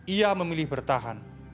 ia memilih bertahan